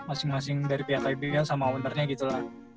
masing masing dari pihak ibl sama ownernya gitu lah